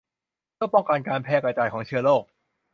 เพื่อป้องกันการแพร่กระจายของเชื้อโรค